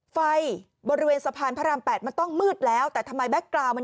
ไฟบริเวณสะพานพระราม๘มันต้องมืดแล้วแต่ทำไมแก๊กกราวมัน